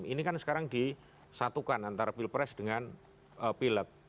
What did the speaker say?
ini kan sekarang disatukan antara pilpres dengan pileg